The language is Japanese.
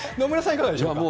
いかがでしょうか。